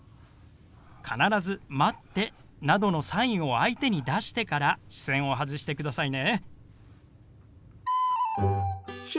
必ず「待って」などのサインを相手に出してから視線を外してくださいね。